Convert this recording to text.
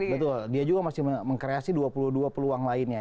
betul dia juga masih mengkreasi dua puluh dua peluang lainnya